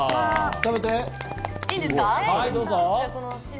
食べて！